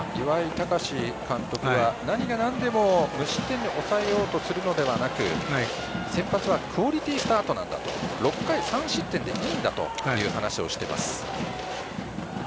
隆監督は何が何でも無失点で抑えようとするのではなく先発はクオリティスタートだと６回３失点でいいんだと話しています。